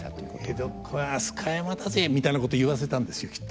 「江戸っ子は飛鳥山だぜ」みたいなこと言わせたんですよきっと。